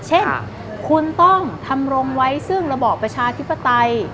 เช่นคุณต้องทำรงไว้ซึ่งระบอบประชาธิปไตย